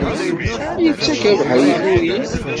Yettak abeḥri i turin!